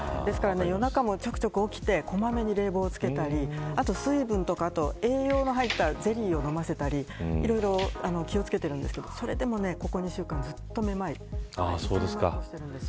夜中もちょくちょく起きて小まめに冷房をつけたり水分や栄養の入ったゼリーを飲ませたりいろいろ気を付けていますがそれでも、ここ２週間ずっと目まいがあります。